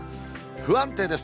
不安定です。